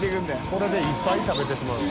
これでいっぱい食べてしまう。